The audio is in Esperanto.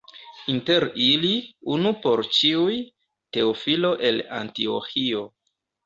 Inter ili, unu por ĉiuj, Teofilo el Antioĥio.